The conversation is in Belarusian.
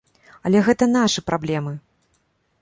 Але гэта нашы праблемы.